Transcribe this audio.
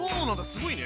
すごいね。